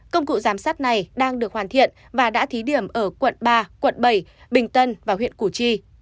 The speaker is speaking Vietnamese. các thông tin này đang được hoàn thiện và đã thí điểm ở quận ba quận bảy bình tân và huyện củ chi